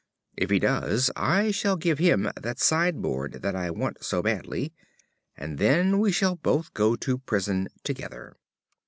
If he does, I shall give him that sideboard that I want so badly, and then we shall both go to prison together.